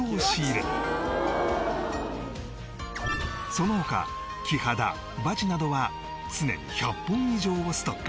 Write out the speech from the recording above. その他キハダバチなどは常に１００本以上をストック